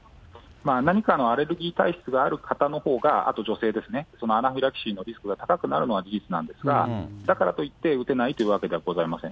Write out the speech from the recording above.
何かのアレルギー体質がある方のほうが、あと女性ですね、そのアナフィラキシーのリスクが高くなるのは事実なんですが、だからといって打てないというわけではございません。